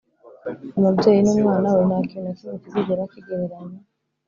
umubyeyi n'umwana we, ntakintu na kimwe kizigera kigereranya.